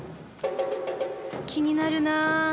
・気になるな。